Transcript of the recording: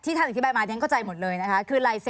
ที่ท่านอธิบายมาท่านก็ก็จะไปหมดเลย